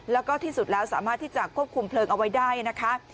แล้วก็ที่สุดแล้วสามารถที่จะควบคุมเพลิงเอาไว้ได้นะคะ